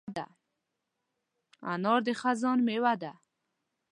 انار د خزان مېوه ده.